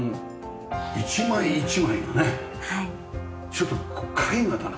ちょっと絵画だな。